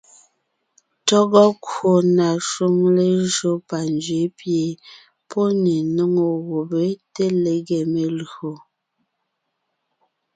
Tÿɔ́gɔ kwò na shúm lejÿó panzwě pie pɔ́ ne nóŋo gubé te lege melÿò.